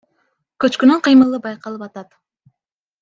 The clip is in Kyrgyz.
Көчкүнүн кыймылы байкалып атат.